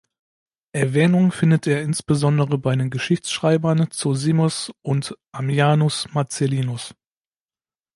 Erwähnung findet er insbesondere bei den Geschichtsschreibern Zosimos und Ammianus Marcellinus.